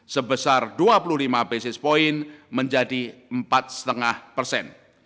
sebesar dua puluh lima basis point menjadi empat lima persen